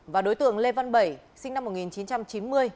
và đối tượng lê văn bảy sinh năm một nghìn chín trăm chín mươi